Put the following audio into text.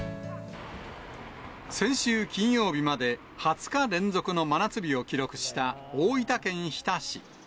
先週金曜日まで、２０日連続の真夏日を記録した大分県日田市。